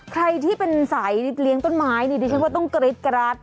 ใครที่เป็นสายเลี้ยงต้นไม้นี่ดิฉันว่าต้องกรี๊ดกราด